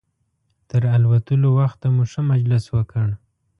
تر الوتلو وخته مو ښه مجلس وکړ.